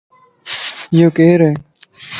ايو ڪيرائي؟